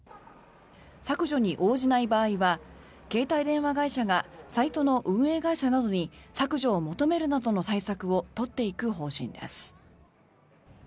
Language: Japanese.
削除に応じない場合は携帯電話会社がサイトの運営会社などに削除を求めるなどの対策を取っていく方針です。